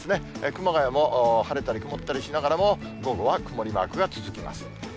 熊谷も晴れたり曇ったりしながらも、午後は曇りマークが続きます。